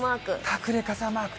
隠れ傘マーク。